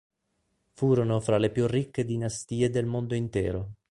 Furono fra le più ricche dinastie del mondo intero.